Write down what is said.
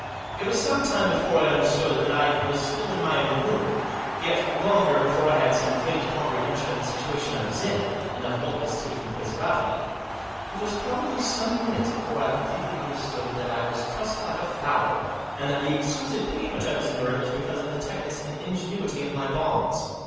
It was some time before I understood that I was still in my own room ; yet, longer before I had some faint comprehension of the situation I was in, and of what was taking place about me. It was probably some minutes before I completely understood that I was trussed like a fowl, and that the exquisite pain which I was enduring was because of the tightness and ingenuity of my bonds.